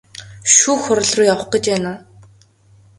Шүүх хуралруу явах гэж байна уу?